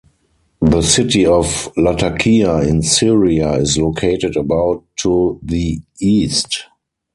The city of Latakia in Syria is located about to the east.